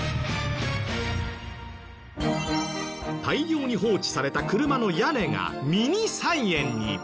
大量に放置された車の屋根がミニ菜園に！